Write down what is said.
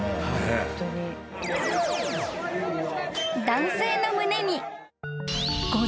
［男性の胸に］